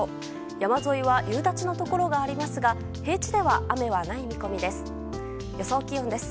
山沿いは夕立のところがありますが平地では雨はない見込みです。